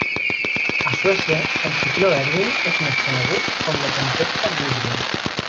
A Suècia, el cicló Erwin és més conegut com la tempesta Gudrun.